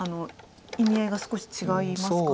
意味合いが少し違いますか？